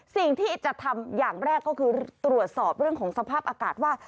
สิ่งที่จะทำอย่างแรกก็คือตรวจสอบเรื่องของสภาพอากาศว่า